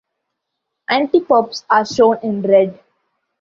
Antipopes are shown in red.